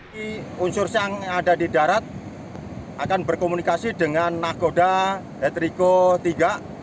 ini unsur yang ada di darat akan berkomunikasi dengan nakoda hetriko iii